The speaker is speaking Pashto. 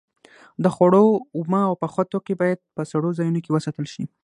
د خوړو اومه او پاخه توکي باید په سړو ځایونو کې وساتل شي.